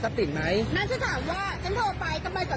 ฉันโทรไปแต่ไม่มีคน